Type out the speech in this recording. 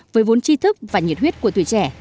với vốn chi thức và nhiệt huyết của tuổi trẻ